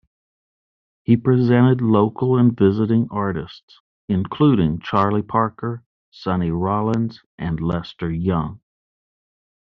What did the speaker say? He presented local and visiting artists including Charlie Parker, Sonny Rollins, and Lester Young.